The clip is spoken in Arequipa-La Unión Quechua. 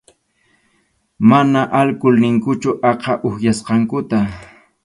Mana alkul ninkuchu aqha upyasqankuta.